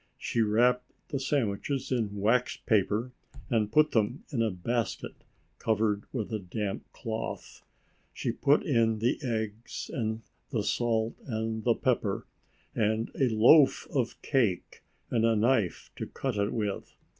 She wrapped the sandwiches in waxed paper, and put them in a basket covered with a damp cloth. She put in the eggs and the salt and the pepper, and a loaf of cake and a knife to cut it with.